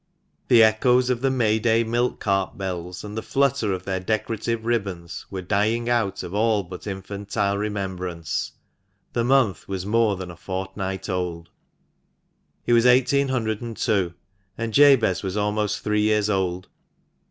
The echoes of the May day milkcart bells, and the flutter of their decorative ribbons, were dying out of all but infantile remembrance — the month was more than a fortnight old. It was 1802, and Jabez was almost three years old.